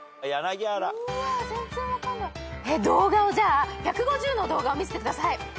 じゃあ１５０の動画を見せてください。